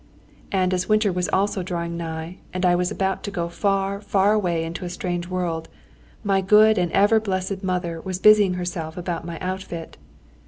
And as winter was also drawing nigh, and I was about to go far, far away into a strange world, my good and ever blessed mother was busying herself about my outfit.